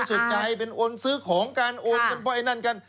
สนใจเป็นโอนซื้อของกันโอนกันเพราะไอ้นั่นกัน